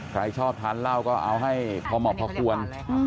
ใครชอบทานเหล้าก็เอาให้พอเหมาะพอควร